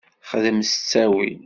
Xdem s ttawil.